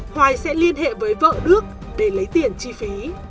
hoài sẽ liên hệ với vợ đước để lấy tiền chi phí